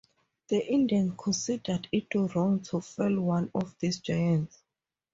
The Indians considered it wrong to fell one of these giants.